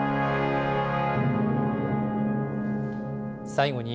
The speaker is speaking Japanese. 最後に、